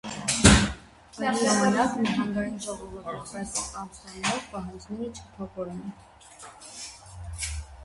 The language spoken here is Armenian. Այդ ժամանակ նահանգային ժողովի՝ որպես ապստամբող, պահանջները չափավոր էին։